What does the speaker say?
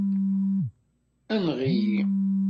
Enɣ-iyi.